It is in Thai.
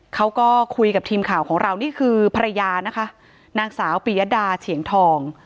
เขาก็คุยกับทีมข่าวของเรานี่คือภรรยานะคะนางสาวปียดาเฉียงทอง